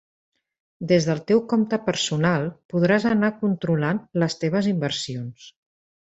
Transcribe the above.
Des del teu compte personal podràs anar controlant les teves inversions.